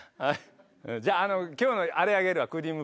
じゃあ今日のアレあげるわクリームパン。